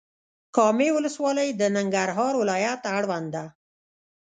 کامې ولسوالۍ د ننګرهار ولايت اړوند ده.